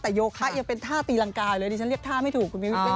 แต่โยคะยังเป็นท่าตีรังกายเลยดิฉันเรียกท่าไม่ถูกคุณมิวเป้